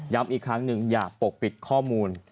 อีกครั้งหนึ่งอย่าปกปิดข้อมูล